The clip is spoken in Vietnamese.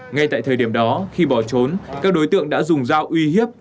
ngay tại thời điểm đó khi bỏ trốn các đối tượng đã dùng dao uy hiếp